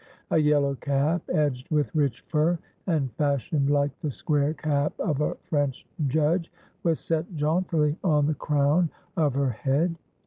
A yellow cap, edged with rich fur, and fashioned like the square cap of a French judge, was set jauntily on the crown of her head.